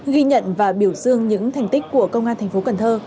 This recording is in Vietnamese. ghi nhận và biểu dương những thành tích của công an tp cần thơ